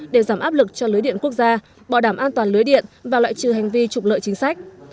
để giảm áp lực cho lưới điện quốc gia bỏ đảm an toàn lưới điện và loại trừ hành vi trục lợi chính sách